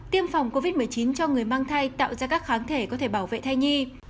tiêm phòng covid một mươi chín cho người mang thai tạo ra các kháng thể có thể bảo vệ thai nhi